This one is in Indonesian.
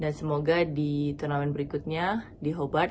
dan semoga di turnamen berikutnya di hobart indonesia kita bisa menang